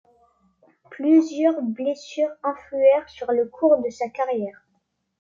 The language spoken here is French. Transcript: Plusieurs blessures influèrent sur le cours de sa carrière.